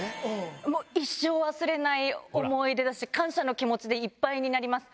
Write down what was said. もう一生忘れない思い出だし、感謝の気持ちでいっぱいになります。